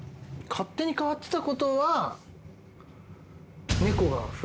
勝手に変わってたことは。